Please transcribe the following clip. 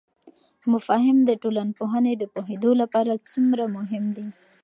مفاهیم د ټولنپوهنې د پوهیدو لپاره څومره مهم دي؟